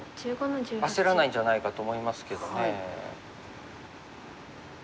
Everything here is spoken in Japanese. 焦らないんじゃないかと思いますけど。